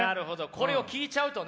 これを聞いちゃうとね。